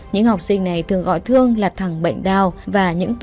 những học sinh này thường gọi thương là thằng bệnh đau